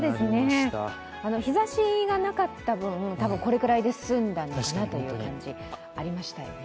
日ざしがなかった分、これくらいで済んだのかなという感じ、ありましたよね。